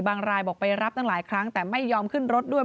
รายบอกไปรับตั้งหลายครั้งแต่ไม่ยอมขึ้นรถด้วย